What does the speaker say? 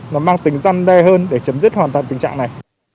nó mang tính răn đe hơn để chấm dứt hoàn toàn tình trạng này